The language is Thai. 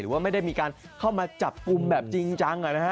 ว่าไม่ได้มีการเข้ามาจับกลุ่มแบบจริงจัง